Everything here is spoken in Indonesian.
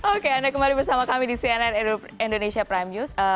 oke anda kembali bersama kami di cnn indonesia prime news